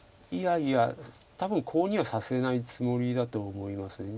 いやいや多分コウにはさせないつもりだと思います。